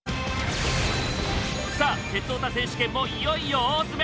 さあ「鉄オタ選手権」もいよいよ大詰め！